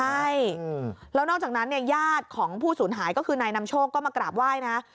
ใช่แล้วนอกจากนั้นเนี่ยญาติของผู้สูญหายก็คือนายนำโชคก็มากราบไหว้นะ